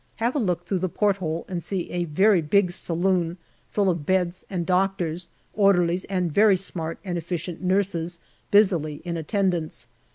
Have a look through the port hole and see a very big saloon full of beds and doctors, orderlies and very smart and efficient nurses busily in attendance.